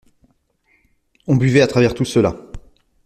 On buvait à travers tout cela.